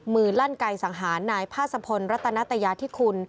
มือลั่นไก่สังหารนายพาสะพนรัตนาตยาที่คุณ